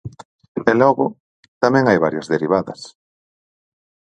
E logo, tamén hai varias derivadas.